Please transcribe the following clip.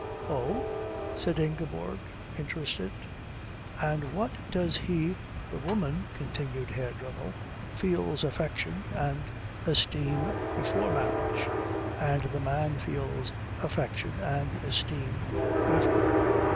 "Oh?" said Ingeborg, interested. "And what does he " "The woman," continued Herr Dremmel, "feels affection and esteem before marriage, and the man feels affection and esteem after."